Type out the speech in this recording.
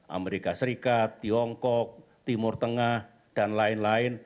amerika serikat tiongkok timur tengah dan lain lain